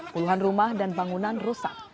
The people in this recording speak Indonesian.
puluhan rumah dan bangunan rusak